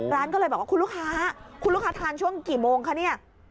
ร้านก็เลยบอกว่าคุณลูกค้าคุณลูกค้าทานช่วงกี่โมงคะเนี่ย